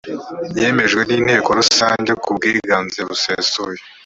yemejwe n inteko rusange ku bwiganze busesuye